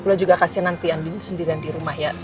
pula juga kasihin nanti andi sendiri dan di rumah ya